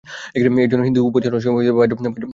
এইজন্য হিন্দু উপাসনার সময়ে বাহ্য প্রতীক ব্যবহার করে।